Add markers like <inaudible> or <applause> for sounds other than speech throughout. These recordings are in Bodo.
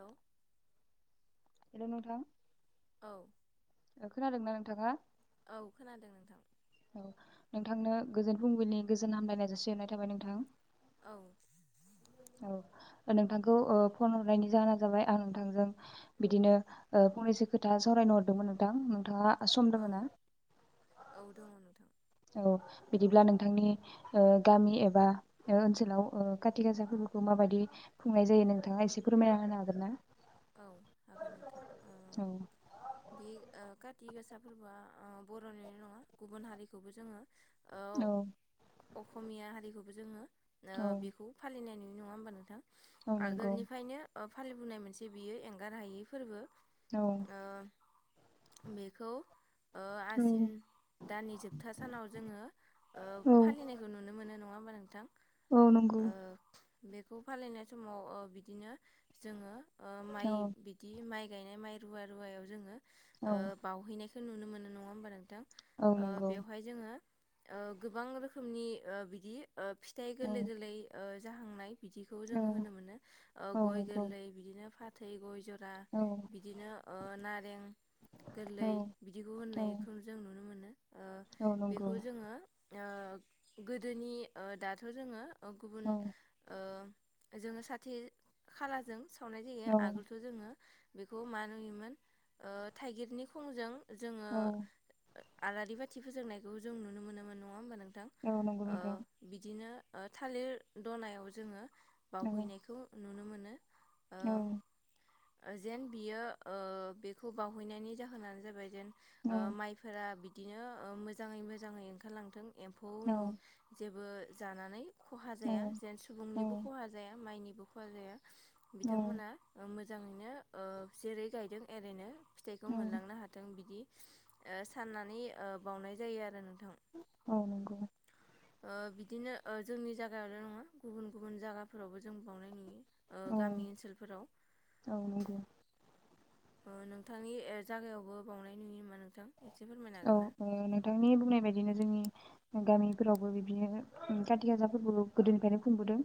औ हेलौ नोंथां औ खोनादोंना नोंथाङा औ खोनादों नोंथां औ नोंथांनो गोजोन फुंबिलिनि गोजोन हामलायनाय जासि हरनाय थाबाय नोंथां। औ नोंथांखौ ओ फन हरनायनि जाहोना जाबाय आं नोंथांजों बिदिनो ओ फंनैसो खोथा सावरायनो हरदोंमोन नोंथां। नोंथाङा सम दङ औ ना औ दङ नोंथां। औ बिदिब्ला नोंथांनि गामि एबा ओनसोलाव खाथि गासा फोरबोखौ माबायदि खुंनाय जायो नोंथाङा एसे फोरमायना होनो हागोन ना? औ हागोन नोंथां। औ ओ बे ओ खथिगासा फोरबोआ बर'नि‌ ल' नङा गुबुन हारिखौबो जोङो ओ औ अखमिया हारिखौबो जोङो ओ औ बेखौ फालिनायनुयो। नङा होमबा नोंथां औ नंगौ आगोलनिफ्रायनो अ फालिबोननाय मोनसे जे बियो एंगार हायै फोरबो औ ओ बेखौ ओ औ आसिन दाननि जोबथा सानाव जोङो ओ औ फालिनायखौ नुनो मोनो नङा नोंथां औ नंगौ ओ बेखौ फालिनाय समाव ओ बिदिनो जोङो ओ माइ औ बिदि माइ गायनाय माइ रुवा रुवायाव जोङो औ ओह बावहैनायख नुनो मोनो नङा होमबा नोंथां औ ओह नंगौ बेवहाय जोङो ओ गोबां रोखोमनि ओ बिदि ओ फिथाइ गोरलै औ गोरलै ओ जाहांनाय बिदिखौ औ जोङो होनो मोनो ओ औ गय नंगौ गोरलै बिदिनो फाथै गय ज रा औ बिदिनो ओ नारें औ गोरलै बिदिखौ औ होननायखौ जों नुनो मोनो ओ औ नंगौ बेखौ जोङो ओ गोदोनि ओ दाथ' जोङो ओ गुबुन औ ओ जोङो साथि खालाजों सावनाय जायो औ आगोलथ' जोङो बेखौ मा नुयोमोन ओ थाइगिरनि खंजों जोङो औ ओ आलारि बाथि फोजोंनायखौ जों नुनो मोनोमोन नङा होमबा नों थां औ नंगौ ओ नोंथां बिदिनो ओ थालिर दनायाव जोङो औ बावहैनायखौ <unintelligible> नुनो मोनो ओ औ जेन बियो ओ बेखौ बावहैनायनि जाहोनानो जाबाय जेन औ ओ माइफोरा बि बिदिनो ओं मोजाङै मोजाङै ओंखारलांथों एम्फौ औ नु जेब बो जानानै खहा जाया जेन औ सुबुंनिबो खहा जाया माइनि बो खहा जाया औ बिथांमोना मोन मोजाङैनो ओह जेरै गायदों एरैनो फिथाइखौ औ मोनलांनो हाथों बिदि साननानै ओ बावनाय जायो आरो नोंथां। औ नंगौ बिदिनो जोंनि जायगायावल' नङा गुबुन गुबुन जायगाफोरावबो जों बावनाय नुयो। औ गामि ओनसोलफोराव औ नंगौ नोंथांनि जायगायावबो बावनाय नुयो नामा नोंथां एसे फोरमायनो औ हागोन ना? नोंथांनि बुंनाय बायदिनो जोंनि गामिफोरावबो बिदिनो खाथि गाजाफोरबो गोदोनिफ्रायनो खुंबोदों।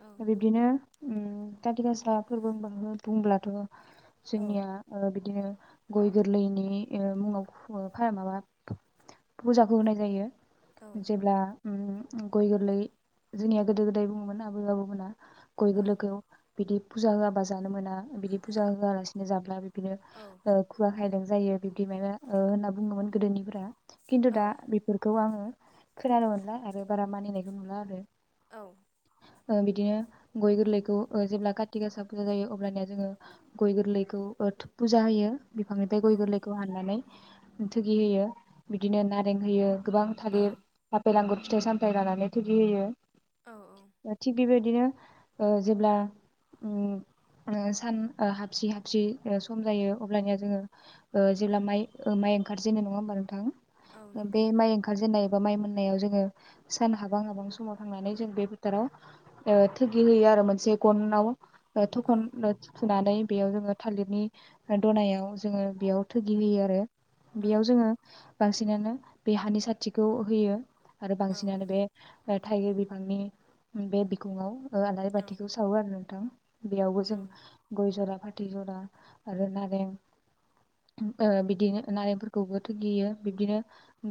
औ बिबदिनो उम खाथि गासाफोरबो होनना बुंब्लाथ' औ जोंनिया बिदि बिदिनो गय गोरलैनि मुङाव माबा फुजाखौ होनाय जायो औ जेब्ला गय गोरलै जोंनिया गोदो गोदाय बुङोमोन आबै आबौमोनहा गय औ गोलैखौ बिदि फुजा होआबा जानो मोना बिदि फुजा होआलासिनो जाब्ला औ बिनो खुगा खायलें जायो बिब्दि माने होनना बुङोमोन गोदोनिफ्रा। खिन्थु दा बेफोरखौ आङो खोनानो मोनला आरो बारा मानिनायखौ नुला आरो। औ बिदिनो गय गोरलैखौ जेब्ला कारति गासा फुजा जायो अब्लानया जोङो गय गोरलैखौ फुजा होयो। बिफांनिफ्राय औ गय गोरलैखौ हाननानै‌। थुगि होयो बिदिनो नारें होयो। गोबां थालिर आफेल आंगुर फिथाइ सामथाय लानानै थोगि होयो। औ थिग बिबाय दिनो जेब्ला सान हाबसि हाबसि सम जायो अब्लानिया जोङो जेब्ला माइ माइ ओंखारजे नङा होमबा नोंथां? औ बे नंगौ माइ ओंखारजेननाय बा माइ मोननायाव जोङो सान हाबां हाबां समाव थांनानै जों बे फोथोराव थोगि होयो आरो मोनसे गनाव औ थखन सुनानै बेयाव जोङो थालिरनि दनायाव जोङो बेयाव थोगि होयो आरो औ बेयाव जोङो बांसिनानो बे हानि साथिखौ होयो आरो औ बांसिनानो बे बा थाइगिर बिफांनि बे बिखंआव ओ आलारि औ बाथिखौ सावो आरो <unintelligible> नोंथां बेयावबो जों गय जरा फाथै थै जरा आरो नारें ओ बिदिनो नारेंफोरखौबो थुगियो बिब्दिनो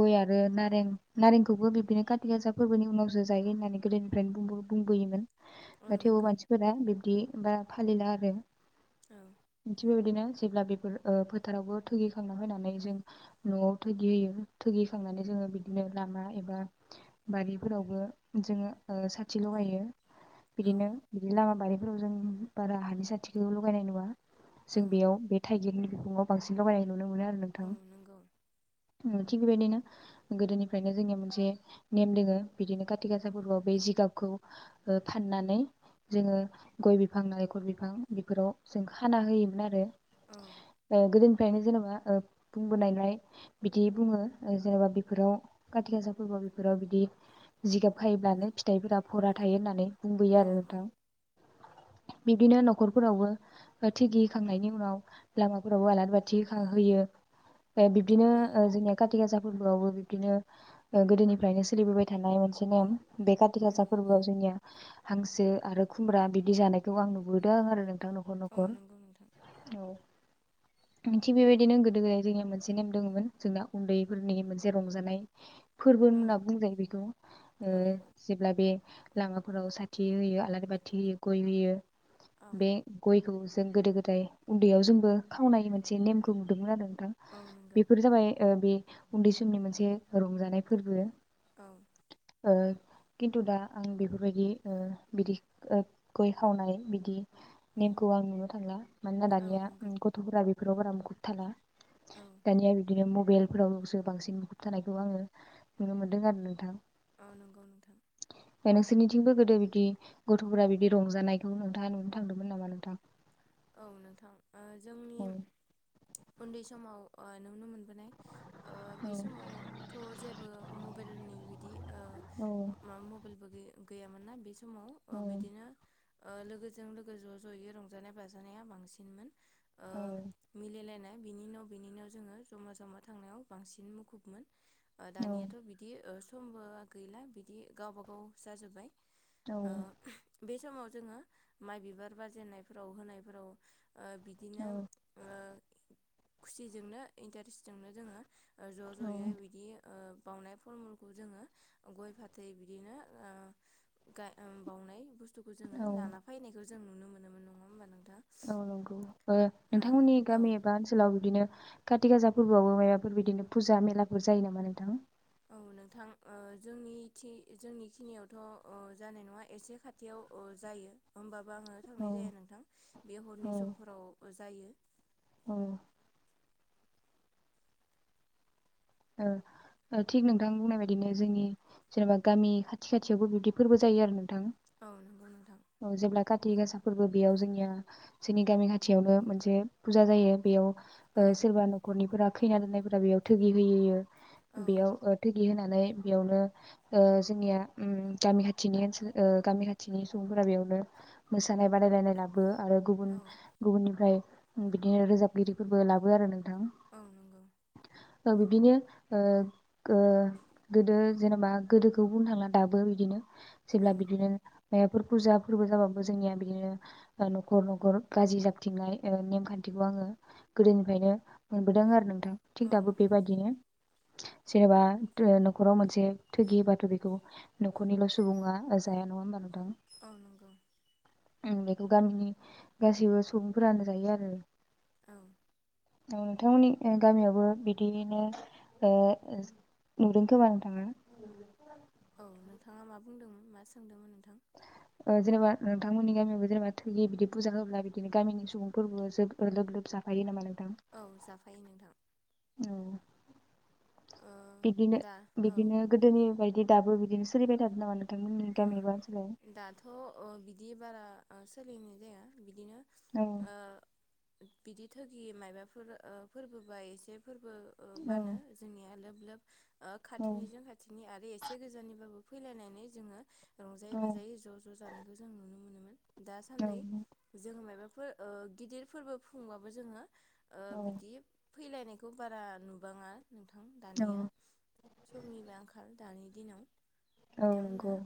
गय आरो नारें नारेंखौबो बिब्दिनो खाथि गासा फोरबोनि उनावसो जायो होननानै गोदोनिफ्रायनो बुंबो बुंबोयोमोन औ दा थेवबो नंगौ मानसिफोरा बिब्दि बा फालिला आरो औ ओनथि बेबायदिनो जेब्ला बेफोर ओ फोथारावबो थुगिखांना होना नै जों न'आव थ'गियो-थ गिखांनानै जोङो बिदिनो लामा एबा बारिफोरावबो जोङो ओ साथि लगायो औ बिदिनो बिदि लामा बा बेफोराव जों बारा हानि साथिखौ लगायनाय नुवा औ जों बेयाव बे थाइगिरनि फुंङाव बांसिन लगायनाय नुनो मोनो आरो औ नोंथां नंगौ उम थिग बेबायदिनो गोदोनिफ्रायनो जोंनिया मोनसे नेम दोङो बिदिनो खाथि गासा फोरबोआव बे जिगाबखौ फाननानै जोङो गय बिफां नालेंखर बिफां बेफोराव जों खाना होयोमोन आरो औ ओ गोदो नो जेनेबा बुंबोनायलाय बिदि बुङो जेनेबा बेफोराव खाथि गासाफोरबा बेफोराव बिदि जिगाब खायोब्लानो फिथाइफोरा फरा थायो होननानै बुंबोयो औ आरो औ नोंथां बिब्दिनो न'खरफोरावबो थि गिखांनायनि उनाव लामाफोरावबो आलारि बाथि होयो दा बिबदिनो औ ओ जोंनिया खाथि गासा फोरबोआवबो बिब्दिनो गोदोनिफ्रायनो सोलिबोबाय थानाय मोनसे नेम बे खाथि गासा फोरबोआव जोंनिया हांसो आरो खुमब्रा बिदि जानायखौ आं नुबोदों आं आरो बां न'खर औ न'खर ओ नंगौ नोंथां नों थिग बेबायदिनो गोदो गोदाय जोंनिया मोनसे नेम दङमोन जोंना उन्दैफोरनि मोनसे रंजानाय फोरबो औ होनना बुंजायो बेखौ ओ औ जेब्ला बे लामाफोराव साथि होयो आलारि बाथि होयो गय होयो। औ बे गयखौ जों गोदो गोद थाय उन्दैयाव जोंबो खावनाय मोनसे नेमखौ नुदोंमोन आरो नोंथा। औ नंगौ बेफोर जाबाय ओ बे उन्दै जोंनि मोनसे रंजानाय फोरबो। औ औ। किनतु दा आं बेफोरबायदि बिदि गय खावनाय बिदि नेमखौ आं नुनो थांला। मानोना औ दानिया नंगौ गथ'फोरा बेफोराव बारा मुखुर थाला। औ दानिया बिदिनो मबेल फोरावसो बांसिन मुखुब थानायखौ आङो नुनो मोनदों आरो नोंथां। औ नंगौ नोंथां नोंसिनिथिबो गोदो बि दि गथ'फोरा बिदि रंजानायखौ नोंथाङा नुनो थांदोंमोन नामा नोंथां। औ नोंथां अ जों औ। उन्दै समाव नुनो मोन बोनाय अ औ बे समावथ' जेबो मबाइलनि बिदि अ औ मा मबाइलबो गै गैयामोन ना बे समाव अ औ बिदिनो अ लोगोजों लोगो ज' ज'य रंजानाय बाजा जानाया बांसिनमोन। ओ औ मिलायनाय बिनि उनाव बिनि उनाव जोङो जमा जमा थांनायाव बांसिन मुखुबमोन। अ दानियाथ' बिदि समबो गैला बिदि गावबा गाव जाजोब्बाय। औ। ओ बे समाव जोङो माइ बिबार बारजेननायफोराव होनाय फोराव अ बिदिनो औ ओ खुसिजोंनो इन्टारेस्टजोंनो जोङो अ ज' ज'यै बिदि अ। बावनाय फलमुलखौ जोङो गय फाथै बिदिनो अ गा बावउनाय बुस थुखौ जोङो औ ला औ फैनायखौ जों नुनो मोनोमोन नङा होमबा नोंथां। औ नंगौ अ लानानै नोंथांमोननि औ गामि बा ओनसोलाव बिदिनो खाथि गासा फोरबोआवबो माबाफोर बिदिनो फुजा मेलाफोर जायो नामा नोंथां। औ नोंथां अ जोंनिथि जोंनि खिनियावथ' अ जानाय नङा एसे खाथियाव अ जायो होमब। बा आङो औ थांनाय जाया नोंथां बे औ हरनि समफोराव जायो। औ अ थिग नोंथां बुंनाय बायदिनो जोंनि जेनेबा गामि खाथि खाथियावबो बिबदि फोरबो जायो आरो नों। थां औ नंगौ नोंथां औ जेब्ला काति गासा फोरबो बेयाव जोंनिया जोंनि गामि खाथियावनो मोनसे फुजा जायो औ बेयाव। सोरबा न'खरनिफोरा खैना दोननायफोरारा बेयाव थोैयो। हैयो औ बेयाव थोगि होना। बेयावनो जोंनिया गामि खाथिनि ओनसोल गामि खाथिनि सुबुंफोरा बेयावनो मोसानाय बादायलायनाय लाबो आरो गुबुन औ गुबुननिफ्राय बिदिनो रोजाबगिरिफोरबो लाबो आरो नों नोंथां औ नंगौ बिदिनो गोदो जेनेबा गोदोखौ बुंनो थांला दाबो बिदिनो औ जेब्ला बिदिनो मइफोर फुजा फोरबो जाबाबो जोंनिया बिदिनो न'खर न'खर गाज्रि जाबथिंनाय नेमखान्थिखौ आङो गोदोनिफ्रायनो मोनबोदों आरो न थिक औ दाबो नंगौ बेबायदिनो जेनेबा न'खराव मोनसे थोगियोबाथ' बेखौ न'खरनिल' सुबुङा जाया नङा होनबा नोंथां। औ नंगौ बेखौ गामिनि गासैबो सुबुंफोरानो जायो आरो। औ औ नोंथनि गामियावबो बिदिनो नुनोबां थाङा। औ नोंथाङा मा बुंदोंमोन मा सोंदोंमोन नों जेनेबा नोंथांमोननि गामियावबो जेनेबा थैयो बिदि फुजा होब्ला बिदिनो गामिनि सुबुंफोरबो जोब लोब लोब जाफायो नामा नों औ जाफायो नोंथां। औ ओ बिदिनो दा औ बिदिनो गोदोनि बायदि दाबो बिदिनो सिरिबाय औ दाथ' बिदि बारा सोलिनाय जाया बिदिनो औ ओ बिदि थगि मायाबाफोर फोरबोबा एसे औ फोरबोनो जोंनि <inaudible> औ खाथिनिजों खाथिनि आरो एसे गोजाननिबाबो फैलायनानै जोङो रंजायै औ बाजायै ज' ज' जानायखौ जों नुनो मोनोमोन औ दासान्दि जोङो मायबा फो ओ गिदिर फोरबो खुंबाबो जोङो ओ औ बिदि फैलायनायखौ बारा नुबाङा नोंथां औ दानिया समनिबो आंखाल दानि दिनाव औ नंगौ बिथांमोनहा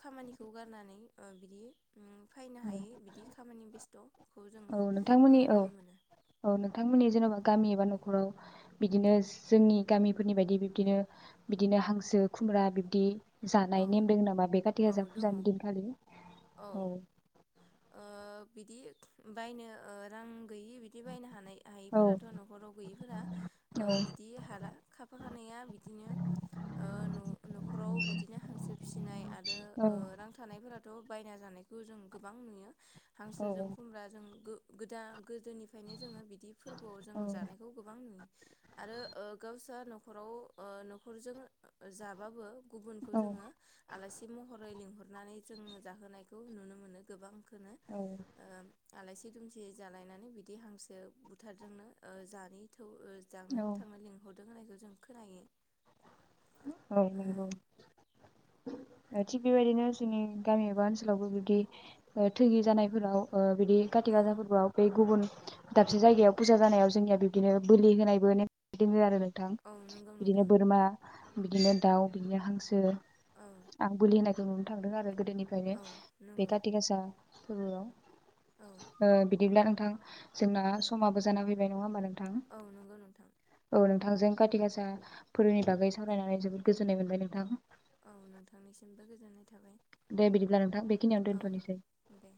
खामानिखौ गारनानै ओ बिदि ओम फैनो औ हायि बिदि खामानि बेस्थ'खौ औ जोङो नोंथांमोननि औ नुनो मोनो औ नोंथांमोननि जेन'बा गामि एबा न'खराव बिदिनो जोंनि गामिफोरनि बायदि बिब्दिनो बिदिनो हांसो खुमब्रा बिब्दि औ जानाय नेम दों नामा बे काथि औ गाजा दङ फुजानि औ दिनखालि औ ओ बिदि बायनो ओ रां गैयै बिदि बायनो हानाय औ हायैफोराथ' न'खराव गैयैफोरा ओ औ बिदि हाला खाफाखानैया बिदिनो ओ न' न'खराव बि हांसो फिसिनाय आरो औ ओ रां थानायफोर थ' बायना जानायखौ जों गोबां नुयो औ हांसोजों खुमब्राजों गो गोदां गोदोनिफ्रायनो जोङो बिदि फोरबोआव जों औ जानायखौ गोबां नुयो आरो ओ गावसा न'खराव ओ न'खरजों जाबाबो गुब खो औ जोङो आलासि महरै लिंहर नानै जों जाहोनायखौ नुनो मोनो गोबां औ <unintelligible> ओम आलासि दुमसि जालायनानै बिदि हांसो बुथारदोंनो ओ जानि अ ओ जानो औ थांनो लिंहर <unintelligible> होनायखौ जों खोनायो ओ नंगौ ओ थिग बेबायदिनो जोंनि गामि एबा ओनसोलावबो बिबदि थोगि जानायफोराव ओ बिदि खाथि औ गासा फोरबोआव बे गुबुन दाबसे जायगायाव फुजा जानायाव जोंनिया बिब्दिनो बोलि होनायबो नेम दोङो आरो नों थां औ नंगौ नोंथां बिदिनो बोरमा बिदिनो दाउ बिदिनो हांसो औ आं बोलि होनायखौ नुनो थांदों आरो गोदोनिफ्रायनो औ बे नंगौ काति गासा फोरबोआव औ ओ बिदिब्ला आं थां जोंना समाबो जाना फैबाय नङा होनबा नो औ नंगौ नोंथां थांजों खाथि गासाफोरनि बागै सावरायनानै जोबोद गोजोननाय मोनबाय नोंथां। औ नोंथांनिसिमबो गोजोननाय थाबाय। दे बिदिब्ला नोंथां बेखिनियाव औ दोनथ'नोसै दे